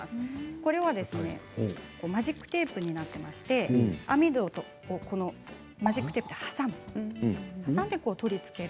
これはマジックテープになっていまして網戸とマジックテープで挟む挟んで取り付ける。